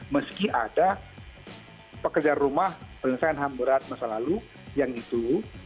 meski ada pekerjaan rumah penyelesaian ham berat masa lalu yang itu